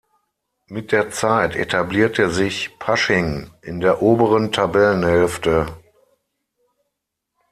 Mit der Zeit etablierte sich Pasching in der oberen Tabellenhälfte.